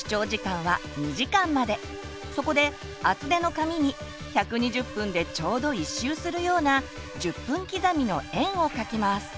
そこで厚手の紙に１２０分でちょうど１周するような１０分刻みの円を書きます。